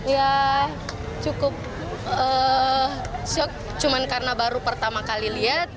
ya cukup shock cuma karena baru pertama kali lihat